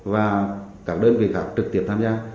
và các đơn vị khác trực tiếp tham gia